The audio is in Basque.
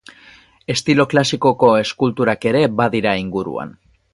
Estilo klasikoko eskulturak ere badira inguruan.